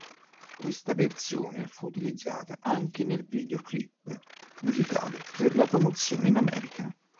Questa versione fu utilizzata anche nel videoclip musicale per la promozione in America.